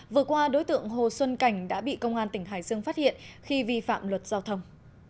vừa qua đối tượng hồ xuân cảnh đã bị công an tỉnh hải dương phát hiện khi vi phạm luật giao thông